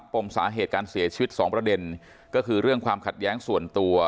ปมสาเหตุการเสียชีวิต๒ประเด็นก็คือเรื่องความขัดแย้งส่วนตัว